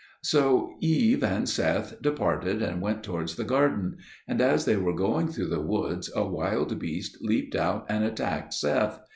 So Eve and Seth departed and went towards the garden; and as they were going through the woods, a wild beast leaped out and attacked Seth.